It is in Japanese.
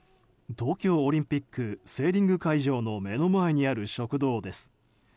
東京オリンピックセーリング会場の目の前にある食堂です。